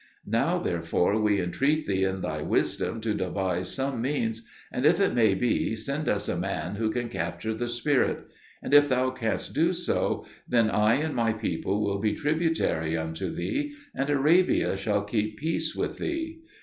Now therefore we entreat thee in thy wisdom to devise some means, and if it may be, send us a man who can capture the spirit; and if thou canst do so, then I and my people will be tributary unto thee, and Arabia shall keep peace with thee.